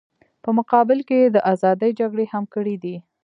په مقابل کې یې د ازادۍ جګړې هم کړې دي.